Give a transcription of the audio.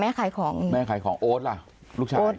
รับจ้างแล้วแม่ขายของโอ๊ตล่ะลูกชาย